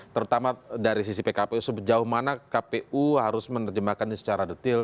terutama dari sisi pkpu sejauh mana kpu harus menerjemahkan secara detail